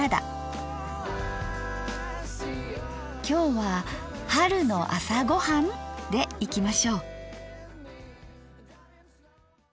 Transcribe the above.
今日は「春の朝ごはん」でいきましょう！